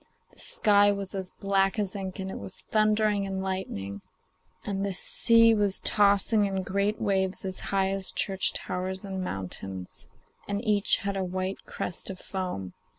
The sky was as black as ink, it was thundering and lightening, and the sea was tossing in great waves as high as church towers and mountains, and each had a white crest of foam.